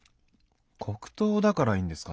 黒糖だからいいんですかね？